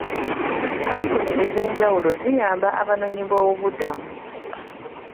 Kkampuni ez'enjawulo ziyamba abanoonyiboobubudamu.